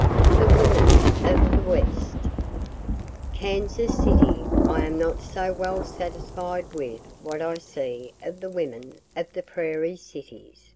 '" THE WOMEN OF THE WEST Kansas City. I am not so well satisfied with what I see of the women of the prairie cities.